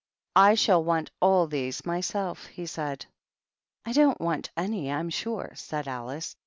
"I shall want all these myself," he said. " I don't want any, I'm sure," eaid Alice.